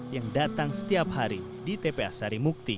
yang datang setiap hari di tpa sari mukti